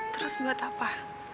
terus buat apa